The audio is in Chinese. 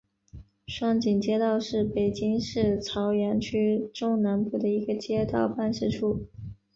双井街道是北京市朝阳区中南部的一个街道办事处。